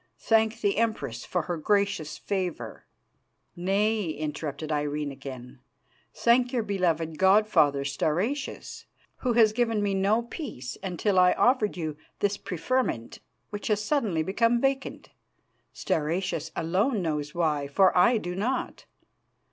Thank the Empress for her gracious favour." "Nay," interrupted Irene again, "thank your beloved god father Stauracius, who has given me no peace until I offered you this preferment which has suddenly become vacant, Stauracius alone knows why, for I do not.